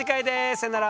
さよなら！